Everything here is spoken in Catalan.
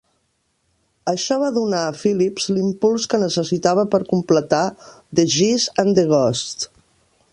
Això va donar a Phillips l'impuls que necessitava per completar The Geese and the Ghost".